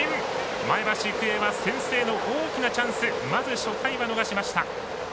前橋育英は先制の大きなチャンスまず初回は逃しました。